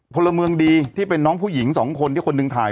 พลเมืองดีที่เป็นน้องผู้หญิงสองคนที่คนหนึ่งถ่าย